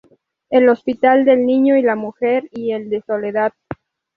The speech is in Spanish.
El Hospital del Niño y la Mujer y el de Soledad.